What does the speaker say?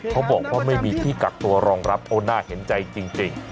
เขาบอกว่าไม่มีที่กักตัวรองรับโอ้น่าเห็นใจจริง